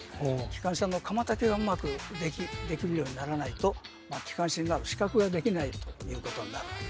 機関車の釜たきがうまくできるようにならないと機関士になる資格ができないということになるわけですね。